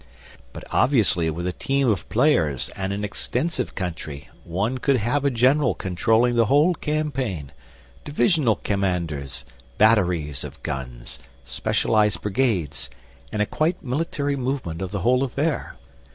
But obviously with a team of players and an extensive country, one could have a general controlling the whole campaign, divisional commanders, batteries of guns, specialised brigades, and a quite military movement of the whole affair.